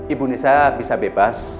ibu nissa bisa bebas